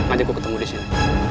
ayo gue ketemu disini